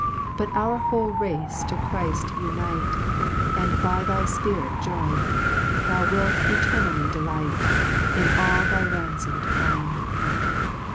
4 But our whole race to Chrift unite, And by thy Spirit join'd, Thou wilt eternally delight In aU thy ranfom'd kind.